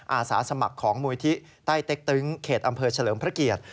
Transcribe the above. อาสาสมัครของมูลที่ใต้เต็กตึงเขตอำเภอเฉลิมพระเกียรติ